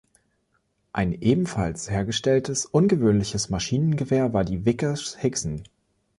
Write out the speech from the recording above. Ein ebenfalls hergestelltes, ungewöhnliches Maschinengewehr war die Vickers Higson.